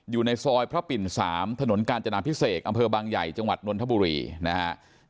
อยู่ในซอยพระปิ่น๓ถนนกาญจนาพิเศษอำเภอบางใหญ่จังหวัดนนทบุรีนะครับ